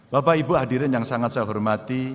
bapak ibu hadirin yang sangat saya hormati